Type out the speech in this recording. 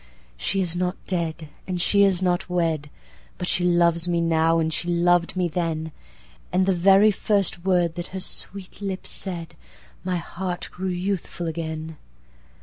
She is not dead, and she is not wed! But she loves me now, and she lov'd me then! And the very first word that her sweet lips said, My heart grew youthful again.